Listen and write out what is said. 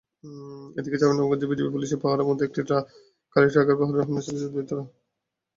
এদিকে চাঁপাইনবাবগঞ্জে বিজিবি-পুলিশের পাহারার মধ্যে একটি খালি ট্রাকের বহরে হামলা চালিয়েছে দুর্বৃত্তরা।